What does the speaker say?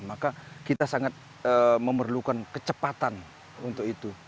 maka kita sangat memerlukan kecepatan untuk itu